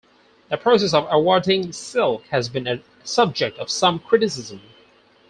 The process of awarding silk has been the subject of some criticism.